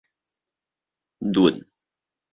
蠕